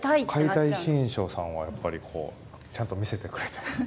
「解体新書」さんはやっぱりこうちゃんと見せてくれてます。